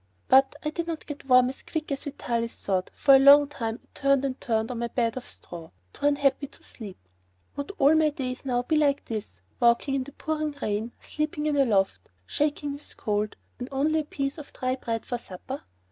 But I did not get warm as quick as Vitalis thought; for a long time I turned and turned on my bed of straw, too unhappy to sleep. Would all my days now be like this, walking in the pouring rain; sleeping in a loft, shaking with cold, and only a piece of dry bread for supper?